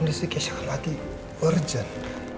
kondisi keisha akan mati urgent